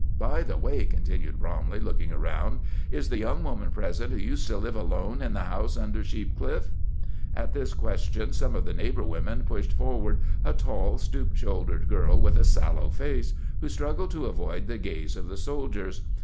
"By the way," continued Bromley, looking around, "is the young woman present who used to live alone in the house under Sheep Cliff?" At this question some of the neighbor women pushed forward a tall, stoop shouldered girl with a sallow face, who struggled to avoid the gaze of the soldiers.